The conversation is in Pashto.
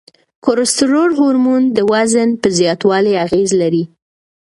کورتسول هورمون د وزن په زیاتوالي اغیز لري.